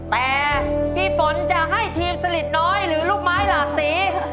แต่พี่ฝนจะให้ทีมสลิดน้อยหรือลูกไม้หลากสี